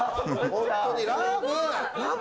本当に、ラブ！